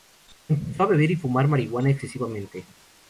Empezó a beber y fumar marihuana excesivamente.